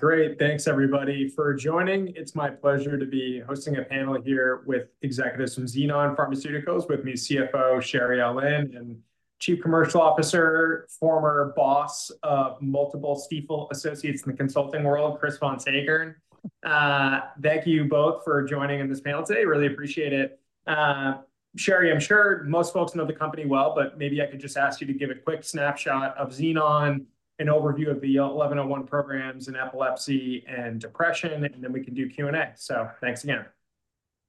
Great. Thanks, everybody, for joining. It's my pleasure to be hosting a panel here with executives from Xenon Pharmaceuticals. With me, CFO Sherry Aulin and Chief Commercial Officer, former boss of multiple Stifel associates in the consulting world, Chris Von Seggern. Thank you both for joining in this panel today. Really appreciate it. Sherry, I'm sure most folks know the company well, but maybe I could just ask you to give a quick snapshot of Xenon, an overview of the 1101 programs in epilepsy and depression, and then we can do Q&A. So thanks again.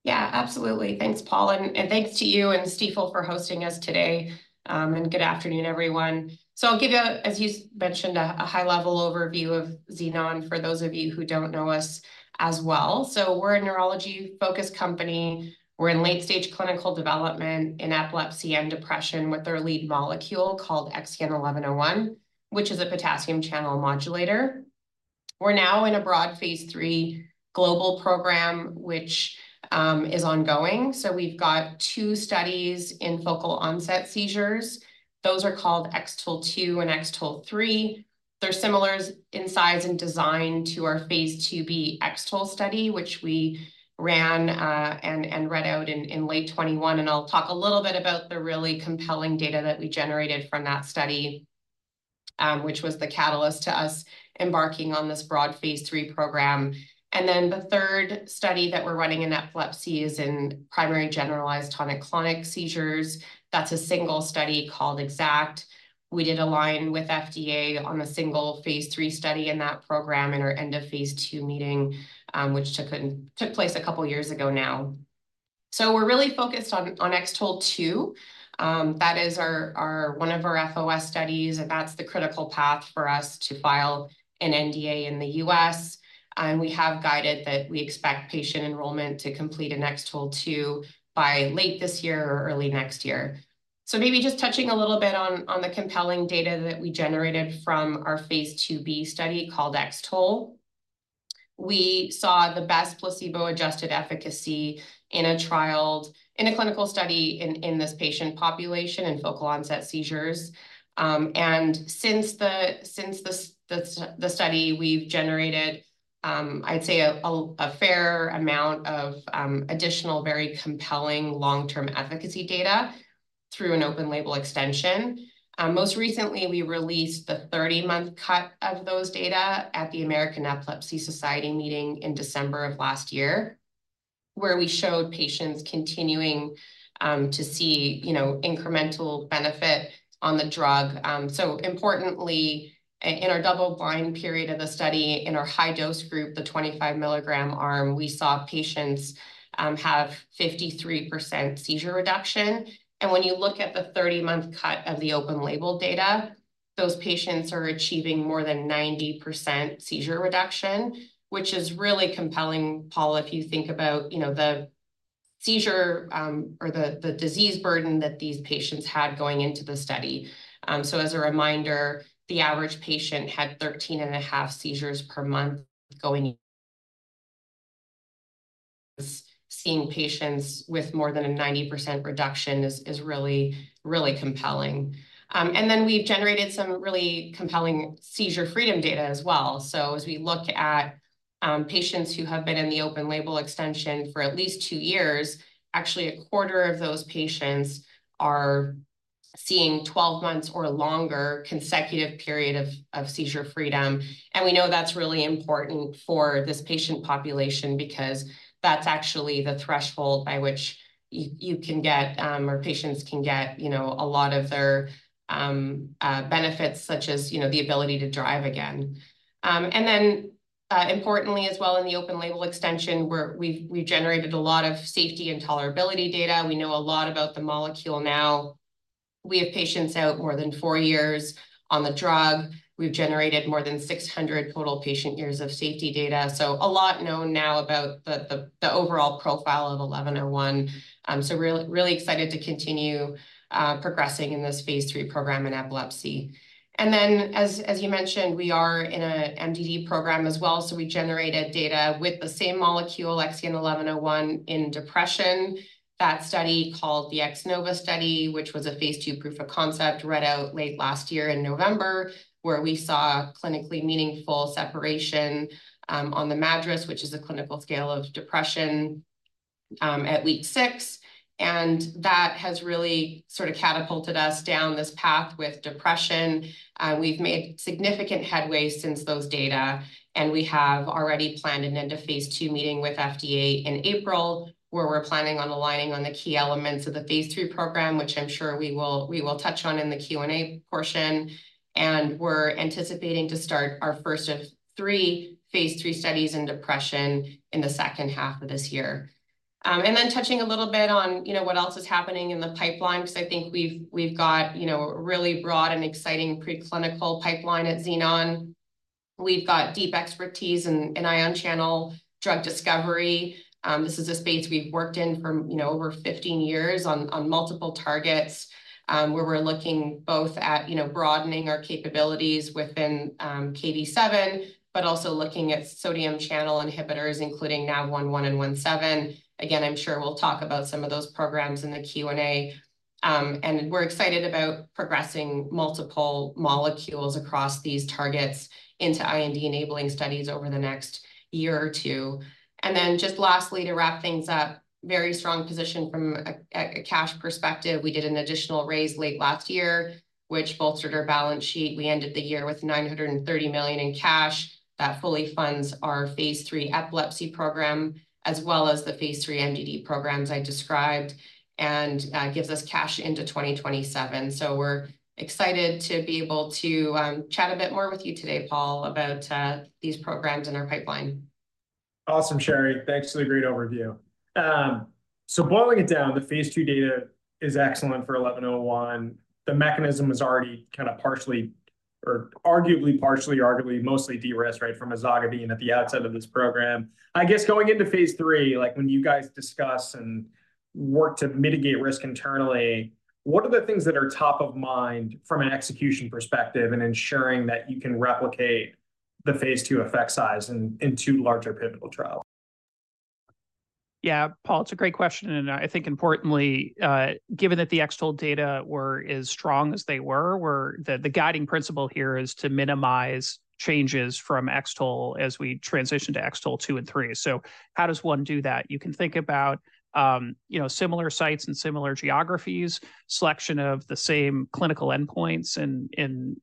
Yeah, absolutely. Thanks, Paul. And thanks to you and Stifel for hosting us today. Good afternoon, everyone. So I'll give you, as you mentioned, a high-level overview of Xenon for those of you who don't know us as well. So we're a neurology-focused company. We're in late-stage clinical development in epilepsy and depression with our lead molecule called XEN1101, which is a potassium channel modulator. We're now in a broad Phase III global program, which is ongoing. So we've got two studies in focal onset seizures. Those are called X-TOLE2 and X-TOLE3. They're similar in size and design to our Phase IIb X-TOLE study, which we ran and read out in late 2021. And I'll talk a little bit about the really compelling data that we generated from that study, which was the catalyst to us embarking on this broad Phase III program. And then the third study that we're running in epilepsy is in primary generalized tonic-clonic seizures. That's a single study called X-ACKT. We did align with FDA on a single phase III study in that program in our end-of-phase II meeting, which took place a couple of years ago now. So we're really focused on X-TOLE2. That is our one of our FOS studies, and that's the critical path for us to file an NDA in the U.S. We have guided that we expect patient enrollment to complete in X-TOLE2 by late this year or early next year. So maybe just touching a little bit on the compelling data that we generated from our phase IIb study called X-TOLE. We saw the best placebo-adjusted efficacy in a trial in a clinical study in this patient population in focal onset seizures. Since the study, we've generated, I'd say, a fair amount of additional very compelling long-term efficacy data through an open-label extension. Most recently, we released the 30-month cut of those data at the American Epilepsy Society meeting in December of last year, where we showed patients continuing to see, you know, incremental benefit on the drug. So importantly, in our double-blind period of the study, in our high-dose group, the 25-mg arm, we saw patients have 53% seizure reduction. And when you look at the 30-month cut of the open-label data, those patients are achieving more than 90% seizure reduction, which is really compelling, Paul, if you think about, you know, the seizure or the disease burden that these patients had going into the study. As a reminder, the average patient had 13.5 seizures per month going in. Seeing patients with more than a 90% reduction is really, really compelling. We've generated some really compelling seizure freedom data as well. So as we look at patients who have been in the open-label extension for at least two years, actually a quarter of those patients are seeing 12 months or longer consecutive periods of seizure freedom. We know that's really important for this patient population because that's actually the threshold by which you can get, or patients can get, you know, a lot of their benefits, such as, you know, the ability to drive again. Then, importantly as well in the open-label extension, we've generated a lot of safety and tolerability data. We know a lot about the molecule now. We have patients out more than four years on the drug. We've generated more than 600 total patient years of safety data. So a lot known now about the overall profile of XEN1101. So really, really excited to continue progressing in this phase III program in epilepsy. And then, as you mentioned, we are in an MDD program as well. So we generated data with the same molecule, XEN1101, in depression. That study called the X-NOVA study, which was a phase II proof of concept, read out late last year in November, where we saw clinically meaningful separation on the MADRS, which is a clinical scale of depression, at week six. And that has really sort of catapulted us down this path with depression. We've made significant headway since those data. We have already planned an end-of-phase II meeting with the FDA in April, where we're planning on aligning on the key elements of the phase III program, which I'm sure we will we will touch on in the Q&A portion. We're anticipating to start our first of three phase III studies in depression in the second half of this year. Then touching a little bit on, you know, what else is happening in the pipeline, because I think we've, we've got, you know, a really broad and exciting preclinical pipeline at Xenon. We've got deep expertise in, in ion channel drug discovery. This is a space we've worked in for, you know, over 15 years on, on multiple targets, where we're looking both at, you know, broadening our capabilities within Kv7, but also looking at sodium channel inhibitors, including now Nav1.1 and Nav1.7. Again, I'm sure we'll talk about some of those programs in the Q&A. And we're excited about progressing multiple molecules across these targets into IND-enabling studies over the next year or two. And then just lastly, to wrap things up, very strong position from a cash perspective. We did an additional raise late last year, which bolstered our balance sheet. We ended the year with $930 million in cash that fully funds our phase III epilepsy program as well as the phase III MDD programs I described and gives us cash into 2027. So we're excited to be able to chat a bit more with you today, Paul, about these programs in our pipeline. Awesome, Sherry. Thanks for the great overview. So boiling it down, the phase II data is excellent for 1101. The mechanism is already kind of partially or arguably partially, arguably mostly de-risked, right, from ezogabine at the outset of this program. I guess going into phase III, like when you guys discuss and work to mitigate risk internally, what are the things that are top of mind from an execution perspective and ensuring that you can replicate the phase II effect size in, in two larger pivotal trials? Yeah, Paul, it's a great question. And I think importantly, given that the X-TOLE data were as strong as they were, the guiding principle here is to minimize changes from X-TOLE as we transition to X-TOLE2 and X-TOLE3. So how does one do that? You can think about, you know, similar sites and similar geographies, selection of the same clinical endpoints and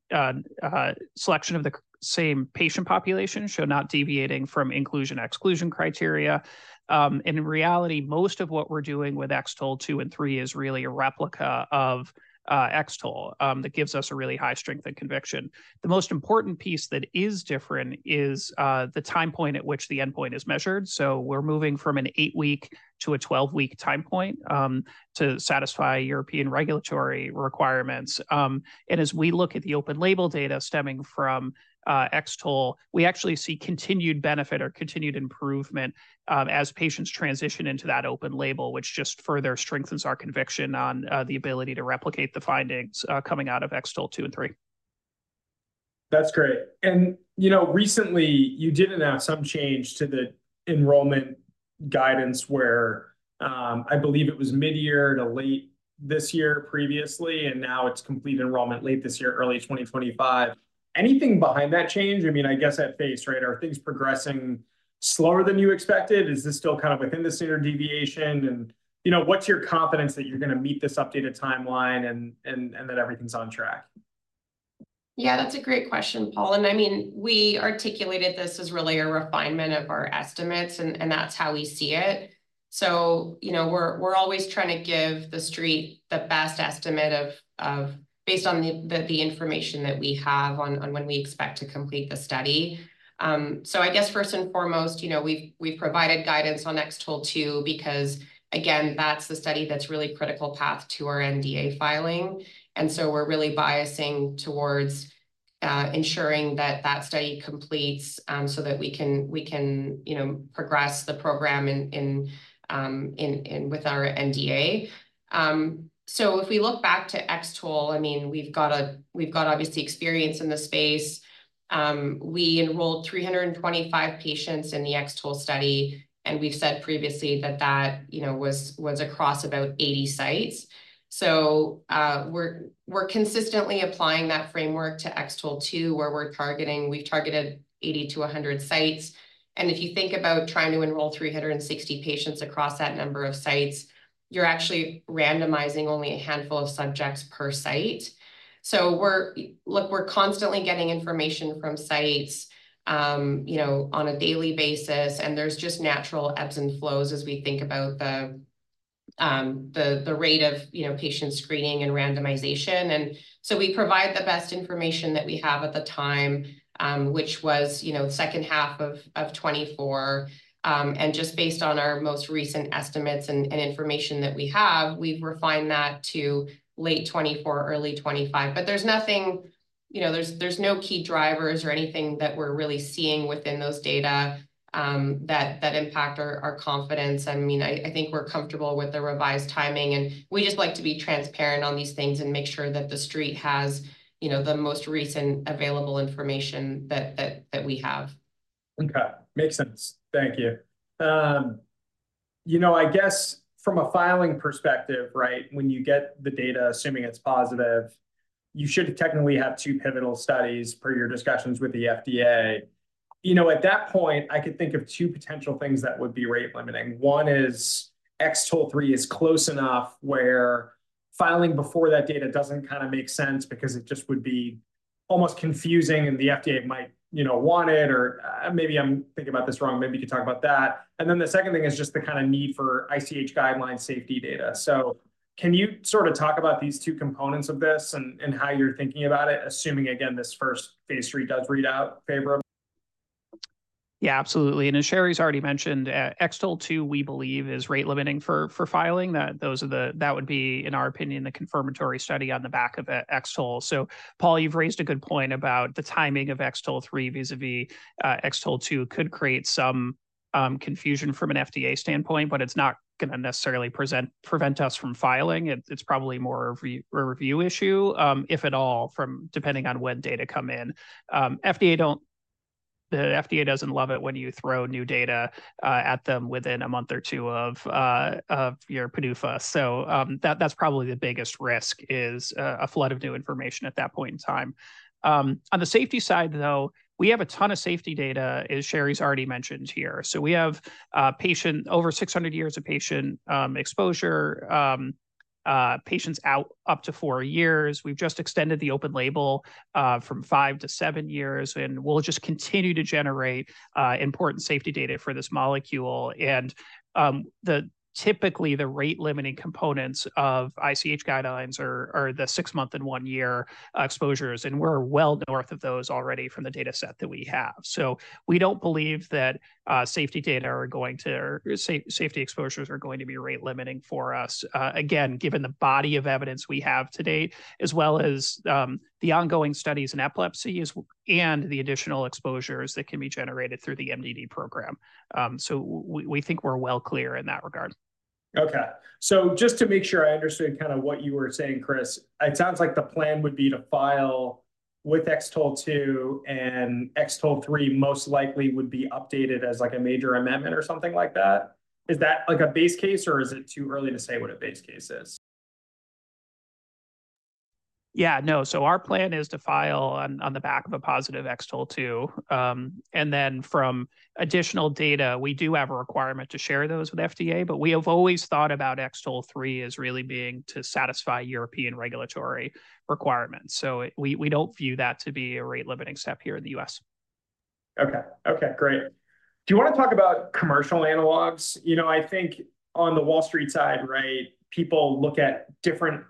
selection of the same patient population, so not deviating from inclusion/exclusion criteria. And in reality, most of what we're doing with X-TOLE2 and X-TOLE3 is really a replica of X-TOLE, that gives us a really high strength and conviction. The most important piece that is different is the time point at which the endpoint is measured. So we're moving from an 8-week to a 12-week time point, to satisfy European regulatory requirements. As we look at the open-label data stemming from X-TOLE, we actually see continued benefit or continued improvement as patients transition into that open label, which just further strengthens our conviction on the ability to replicate the findings coming out of X-TOLE2 and X-TOLE3. That's great. And, you know, recently you did announce some change to the enrollment guidance where, I believe it was mid-year to late this year previously, and now it's complete enrollment late this year, early 2025. Anything behind that change? I mean, I guess at pace, right, are things progressing slower than you expected? Is this still kind of within the standard deviation? And, you know, what's your confidence that you're gonna meet this updated timeline and that everything's on track? Yeah, that's a great question, Paul. And I mean, we articulated this as really a refinement of our estimates, and, and that's how we see it. So, you know, we're, we're always trying to give the street the best estimate of, of based on the, the, the information that we have on, on when we expect to complete the study. So I guess first and foremost, you know, we've, we've provided guidance on X-TOLE2 because, again, that's the study that's really critical path to our NDA filing. And so we're really biasing towards ensuring that that study completes, so that we can we can, you know, progress the program in, in, in, in with our NDA. So if we look back to X-TOLE, I mean, we've got a we've got obviously experience in the space. We enrolled 325 patients in the X-TOLE study, and we've said previously that that, you know, was across about 80 sites. So, we're consistently applying that framework to X-TOLE2, where we've targeted 80-100 sites. And if you think about trying to enroll 360 patients across that number of sites, you're actually randomizing only a handful of subjects per site. So we're constantly getting information from sites, you know, on a daily basis, and there's just natural ebbs and flows as we think about the rate of, you know, patient screening and randomization. And so we provide the best information that we have at the time, which was, you know, second half of 2024. And just based on our most recent estimates and information that we have, we've refined that to late 2024, early 2025. But there's nothing, you know, there's no key drivers or anything that we're really seeing within those data, that impact our confidence. I mean, I think we're comfortable with the revised timing, and we just like to be transparent on these things and make sure that the street has, you know, the most recent available information that we have. Okay. Makes sense. Thank you. You know, I guess from a filing perspective, right, when you get the data, assuming it's positive, you should technically have two pivotal studies per your discussions with the FDA. You know, at that point, I could think of two potential things that would be rate limiting. One is X-TOLE3 is close enough where filing before that data doesn't kind of make sense because it just would be almost confusing, and the FDA might, you know, want it, or maybe I'm thinking about this wrong. Maybe you could talk about that. And then the second thing is just the kind of need for ICH guidelines safety data. So can you sort of talk about these two components of this and, and how you're thinking about it, assuming, again, this first phase III does read out favorable? Yeah, absolutely. And as Sherry's already mentioned, X-TOLE2, we believe, is rate limiting for filing. That would be, in our opinion, the confirmatory study on the back of X-TOLE. So, Paul, you've raised a good point about the timing of X-TOLE3 vis-a-vis X-TOLE2 could create some confusion from an FDA standpoint, but it's not gonna necessarily prevent us from filing. It's probably more of a review issue, if at all, depending on when data come in. The FDA doesn't love it when you throw new data at them within a month or two of your PDUFA. So, that's probably the biggest risk is a flood of new information at that point in time. On the safety side, though, we have a ton of safety data, as Sherry's already mentioned here. So we have patient over 600 years of patient exposure, patients out up to 4 years. We've just extended the open label from 5 to 7 years, and we'll just continue to generate important safety data for this molecule. And the typically the rate limiting components of ICH guidelines are the 6-month and 1-year exposures. And we're well north of those already from the dataset that we have. So we don't believe that safety data are going to or safety exposures are going to be rate limiting for us, again, given the body of evidence we have to date, as well as the ongoing studies in epilepsy and the additional exposures that can be generated through the MDD program. So we think we're well clear in that regard. Okay. So just to make sure I understood kind of what you were saying, Chris, it sounds like the plan would be to file with X-TOLE2, and X-TOLE3 most likely would be updated as like a major amendment or something like that. Is that like a base case, or is it too early to say what a base case is? Yeah, no. So our plan is to file on the back of a positive X-TOLE2. And then from additional data, we do have a requirement to share those with FDA, but we have always thought about X-TOLE3 as really being to satisfy European regulatory requirements. So we don't view that to be a rate limiting step here in the US. Okay. Okay. Great. Do you wanna talk about commercial analogs? You know, I think on the Wall Street side, right, people look at different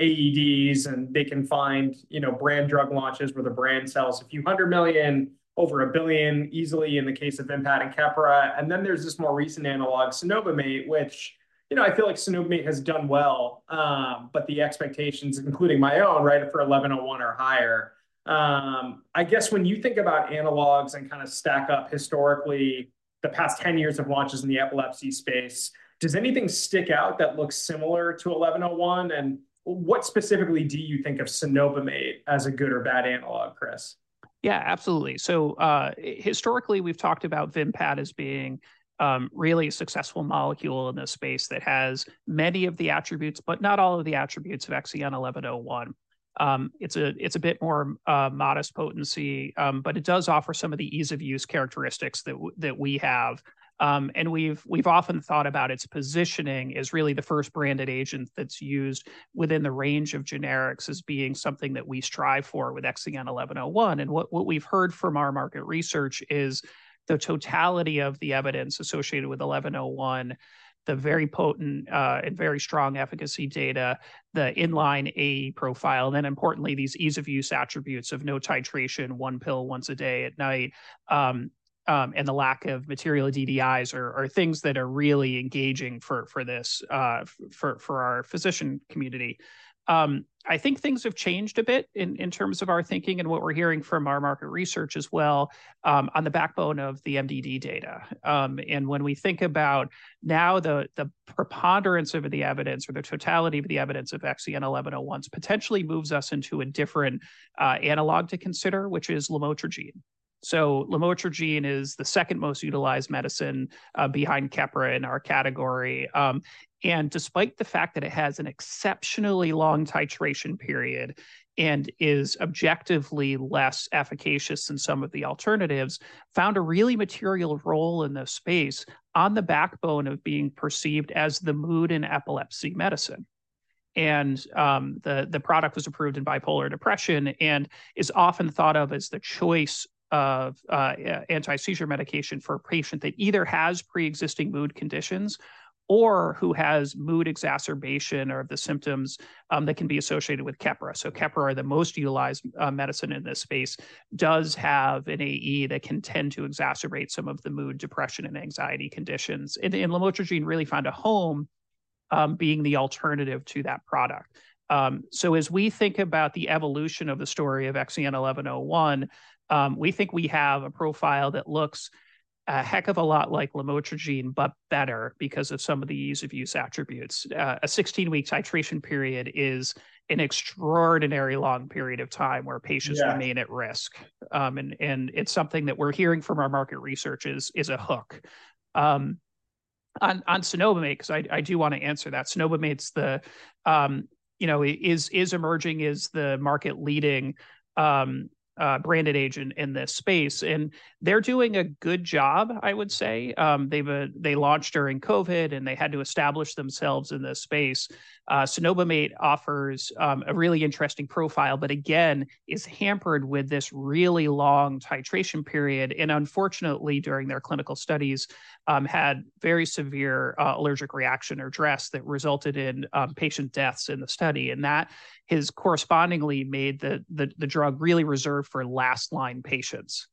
AEDs, and they can find, you know, brand drug launches where the brand sells $a few hundred million over $1 billion easily in the case of Vimpat and Keppra. And then there's this more recent analog, cenobamate, which, you know, I feel like cenobamate has done well. But the expectations, including my own, right, for XEN1101 or higher. I guess when you think about analogs and kind of stack up historically the past 10 years of launches in the epilepsy space, does anything stick out that looks similar to XEN1101? And what specifically do you think of cenobamate as a good or bad analog, Chris? Yeah, absolutely. So, historically, we've talked about Vimpat as being really a successful molecule in this space that has many of the attributes, but not all of the attributes of XEN1101. It's a bit more modest potency, but it does offer some of the ease-of-use characteristics that we have. We've often thought about its positioning as really the first branded agent that's used within the range of generics as being something that we strive for with XEN1101. What we've heard from our market research is the totality of the evidence associated with 1101, the very potent and very strong efficacy data, the inline AE profile, and then importantly, these ease-of-use attributes of no titration, one pill once a day at night, and the lack of material DDIs are things that are really engaging for this for our physician community. I think things have changed a bit in terms of our thinking and what we're hearing from our market research as well, on the backbone of the MDD data. When we think about now the preponderance of the evidence or the totality of the evidence of XEN1101 potentially moves us into a different analog to consider, which is lamotrigine. So lamotrigine is the second most utilized medicine, behind Keppra in our category. Despite the fact that it has an exceptionally long titration period and is objectively less efficacious than some of the alternatives, found a really material role in this space on the backbone of being perceived as the mood and epilepsy medicine. The product was approved in bipolar depression and is often thought of as the choice of anti-seizure medication for a patient that either has preexisting mood conditions or who has mood exacerbation or the symptoms that can be associated with Keppra. So Keppra, the most utilized medicine in this space, does have an AE that can tend to exacerbate some of the mood, depression, and anxiety conditions. lamotrigine really found a home, being the alternative to that product. So as we think about the evolution of the story of XEN1101, we think we have a profile that looks a heck of a lot like lamotrigine, but better because of some of the ease-of-use attributes. A 16-week titration period is an extraordinarily long period of time where patients remain at risk. And it's something that we're hearing from our market research is a hook. On cenobamate, 'cause I do wanna answer that. Cenobamate's the, you know, emerging as the market-leading, branded agent in this space. And they're doing a good job, I would say. They launched during COVID, and they had to establish themselves in this space. Cenobamate offers a really interesting profile, but again, is hampered with this really long titration period. Unfortunately, during their clinical studies, had very severe allergic reaction or DRESS that resulted in patient deaths in the study. And that has correspondingly made the drug really reserved for last-line patients.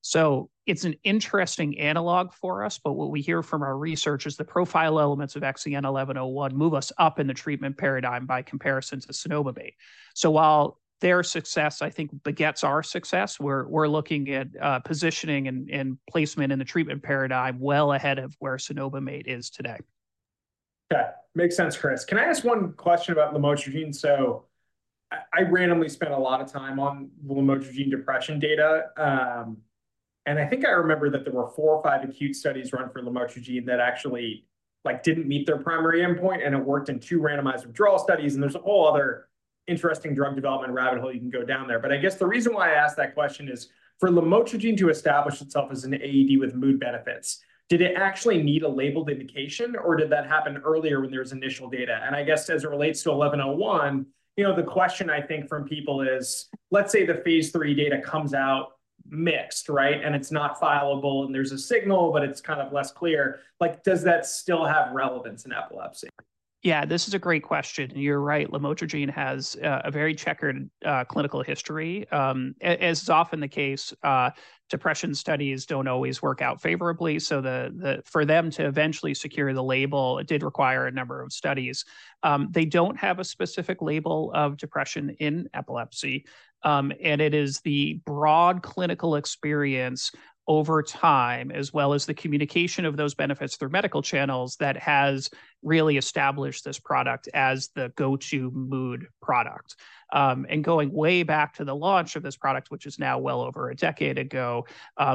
So it's an interesting analog for us, but what we hear from our research is the profile elements of XEN1101 move us up in the treatment paradigm by comparison to cenobamate. So while their success, I think, begets our success, we're looking at positioning and placement in the treatment paradigm well ahead of where cenobamate is today. Okay. Makes sense, Chris. Can I ask one question about lamotrigine? So I randomly spent a lot of time on the lamotrigine depression data. And I think I remember that there were four or five acute studies run for lamotrigine that actually, like, didn't meet their primary endpoint, and it worked in two randomized withdrawal studies. And there's a whole other interesting drug development rabbit hole you can go down there. But I guess the reason why I asked that question is for lamotrigine to establish itself as an AED with mood benefits, did it actually need a labeled indication, or did that happen earlier when there was initial data? I guess as it relates to 1101, you know, the question I think from people is, let's say the phase III data comes out mixed, right, and it's not filable, and there's a signal, but it's kind of less clear. Like, does that still have relevance in epilepsy? Yeah, this is a great question. And you're right. lamotrigine has a very checkered clinical history. As is often the case, depression studies don't always work out favorably. So, for them to eventually secure the label, it did require a number of studies. They don't have a specific label of depression in epilepsy. And it is the broad clinical experience over time, as well as the communication of those benefits through medical channels, that has really established this product as the go-to mood product. And going way back to the launch of this product, which is now well over a decade ago,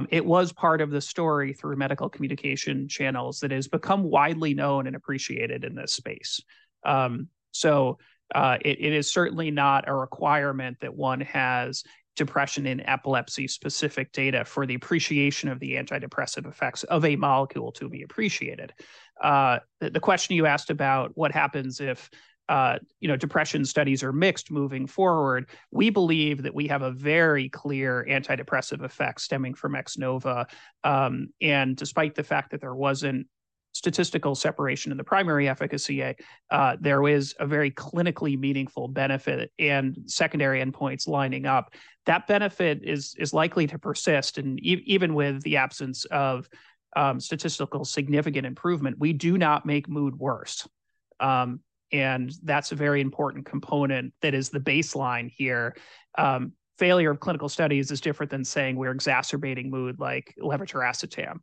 it was part of the story through medical communication channels that has become widely known and appreciated in this space. So, it is certainly not a requirement that one has depression and epilepsy-specific data for the appreciation of the antidepressive effects of a molecule to be appreciated. The question you asked about what happens if, you know, depression studies are mixed moving forward, we believe that we have a very clear antidepressive effect stemming from X-NOVA. And despite the fact that there wasn't statistical separation in the primary efficacy, there is a very clinically meaningful benefit and secondary endpoints lining up. That benefit is likely to persist. And even with the absence of statistical significant improvement, we do not make mood worse. And that's a very important component that is the baseline here. Failure of clinical studies is different than saying we're exacerbating mood like levetiracetam.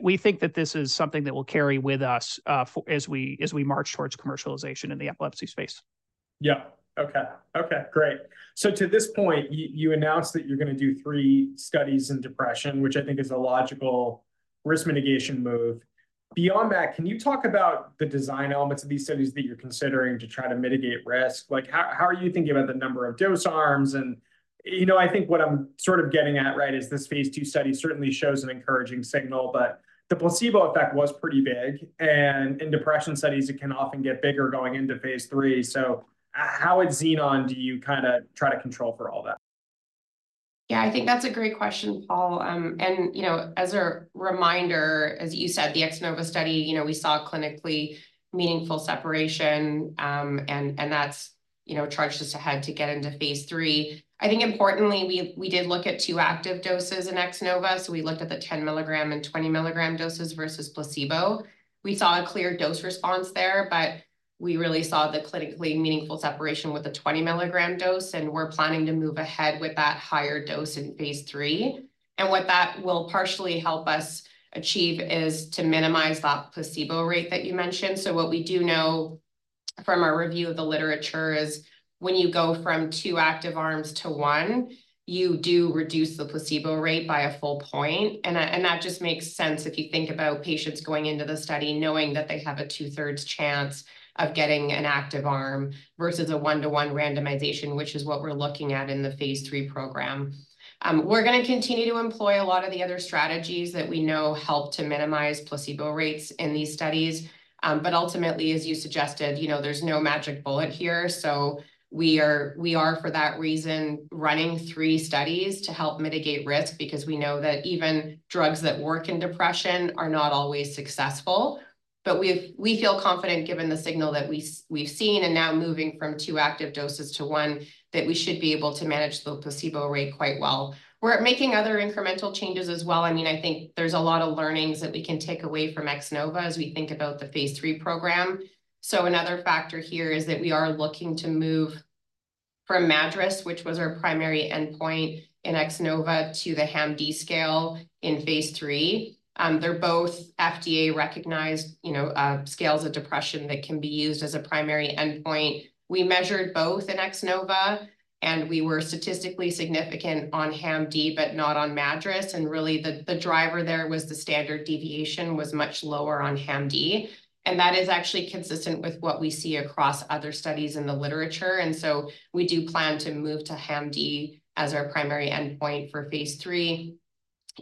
We think that this is something that will carry with us, for as we march towards commercialization in the epilepsy space. Yeah. Okay. Okay. Great. So to this point, you announced that you're gonna do three studies in depression, which I think is a logical risk mitigation move. Beyond that, can you talk about the design elements of these studies that you're considering to try to mitigate risk? Like, how are you thinking about the number of dose arms? And, you know, I think what I'm sort of getting at, right, is this phase II study certainly shows an encouraging signal, but the placebo effect was pretty big. And in depression studies, it can often get bigger going into phase III. So how at Xenon do you kind of try to control for all that? Yeah, I think that's a great question, Paul. You know, as a reminder, as you said, the X-NOVA study, you know, we saw clinically meaningful separation. That's, you know, charged us ahead to get into phase III. I think importantly, we did look at two active doses in X-NOVA. So we looked at the 10 milligram and 20 milligram doses versus placebo. We saw a clear dose response there, but we really saw the clinically meaningful separation with the 20 milligram dose. We're planning to move ahead with that higher dose in phase III. What that will partially help us achieve is to minimize that placebo rate that you mentioned. So what we do know from our review of the literature is when you go from two active arms to one, you do reduce the placebo rate by a full point. That just makes sense if you think about patients going into the study knowing that they have a 2/3 chance of getting an active arm versus a 1:1 randomization, which is what we're looking at in the phase III program. We're gonna continue to employ a lot of the other strategies that we know help to minimize placebo rates in these studies. But ultimately, as you suggested, you know, there's no magic bullet here. So we are for that reason running three studies to help mitigate risk because we know that even drugs that work in depression are not always successful. But we feel confident given the signal that we've seen and now moving from two active doses to one that we should be able to manage the placebo rate quite well. We're making other incremental changes as well. I mean, I think there's a lot of learnings that we can take away from X-NOVA as we think about the phase III program. So another factor here is that we are looking to move from MADRS, which was our primary endpoint in X-NOVA, to the HAM-D scale in phase III. They're both FDA-recognized, you know, scales of depression that can be used as a primary endpoint. We measured both in X-NOVA, and we were statistically significant on HAM-D, but not on MADRS. And really the driver there was the standard deviation was much lower on HAM-D. And that is actually consistent with what we see across other studies in the literature. And so we do plan to move to HAM-D as our primary endpoint for phase III,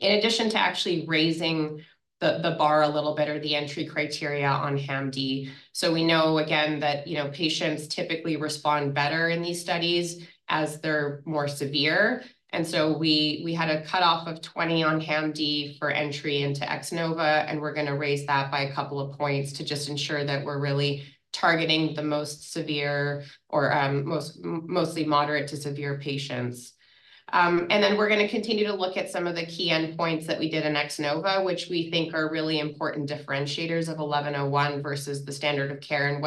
in addition to actually raising the bar a little bit or the entry criteria on HAM-D. So we know again that, you know, patients typically respond better in these studies as they're more severe. And so we had a cutoff of 20 on HAM-D for entry into X-NOVA, and we're gonna raise that by a couple of points to just ensure that we're really targeting the most severe or mostly moderate to severe patients. And then we're gonna continue to look at some of the key endpoints that we did in X-NOVA, which we think are really important differentiators of 1101 versus the standard of care and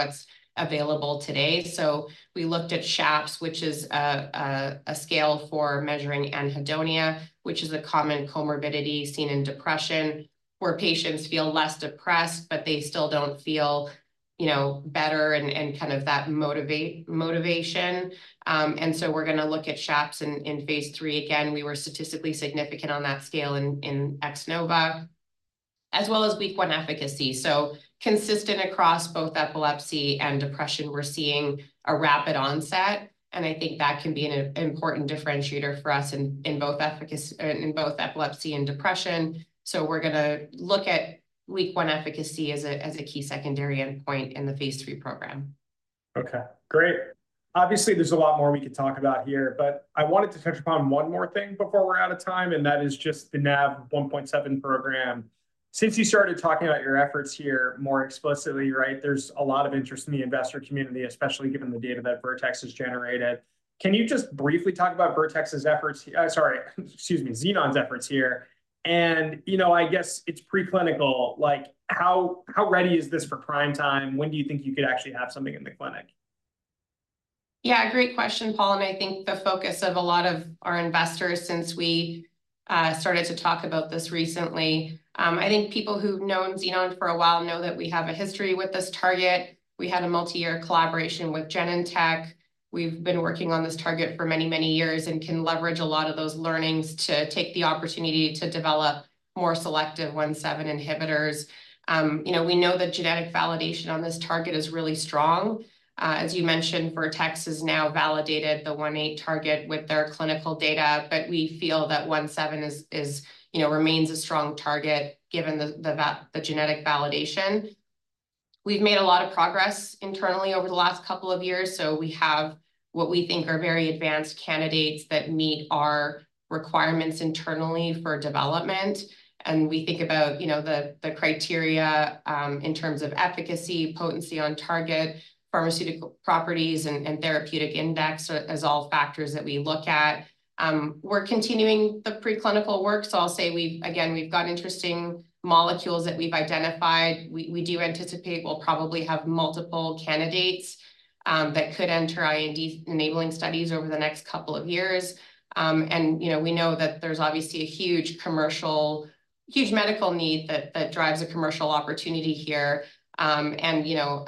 what's available today. So we looked at SHAPS, which is a scale for measuring anhedonia, which is a common comorbidity seen in depression where patients feel less depressed, but they still don't feel, you know, better and kind of that motivation. And so we're gonna look at SHAPS in Phase III. Again, we were statistically significant on that scale in X-NOVA, as well as week 1 efficacy. So consistent across both epilepsy and depression, we're seeing a rapid onset. And I think that can be an important differentiator for us in both efficacy and in both epilepsy and depression. So we're gonna look at week 1 efficacy as a key secondary endpoint in the phase III program. Okay. Great. Obviously, there's a lot more we could talk about here, but I wanted to touch upon one more thing before we're out of time, and that is just the Nav1.7 program. Since you started talking about your efforts here more explicitly, right, there's a lot of interest in the investor community, especially given the data that Vertex has generated. Can you just briefly talk about Vertex's efforts here? Sorry, excuse me, Xenon's efforts here. And, you know, I guess it's preclinical. Like, how, how ready is this for prime time? When do you think you could actually have something in the clinic? Yeah, great question, Paul. I think the focus of a lot of our investors since we started to talk about this recently. I think people who've known Xenon for a while know that we have a history with this target. We had a multi-year collaboration with Genentech. We've been working on this target for many, many years and can leverage a lot of those learnings to take the opportunity to develop more selective 17 inhibitors. You know, we know that genetic validation on this target is really strong. As you mentioned, Vertex has now validated the 18 target with their clinical data, but we feel that 17 is, is, you know, remains a strong target given the, the, the genetic validation. We've made a lot of progress internally over the last couple of years. So we have what we think are very advanced candidates that meet our requirements internally for development. And we think about, you know, the criteria, in terms of efficacy, potency on target, pharmaceutical properties, and therapeutic index as all factors that we look at. We're continuing the preclinical work. So I'll say we've again got interesting molecules that we've identified. We do anticipate we'll probably have multiple candidates that could enter IND-enabling studies over the next couple of years. And, you know, we know that there's obviously a huge commercial, huge medical need that drives a commercial opportunity here. And, you know,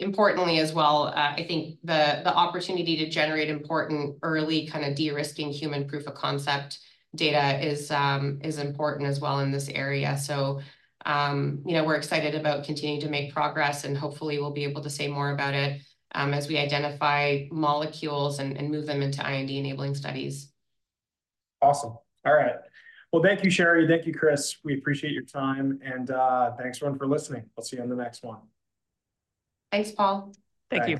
importantly as well, I think the opportunity to generate important early kind of de-risking human proof of concept data is important as well in this area. So, you know, we're excited about continuing to make progress, and hopefully we'll be able to say more about it, as we identify molecules and move them into IND-enabling studies. Awesome. All right. Well, thank you, Sherry. Thank you, Chris. We appreciate your time. And, thanks, everyone, for listening. We'll see you on the next one. Thanks, Paul. Thank you.